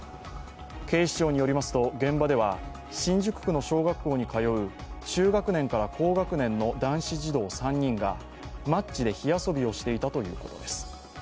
警視庁によりますと現場では新宿区の小学校に通う中学年から高学年の男子児童３人がマッチで火遊びをしていたということです。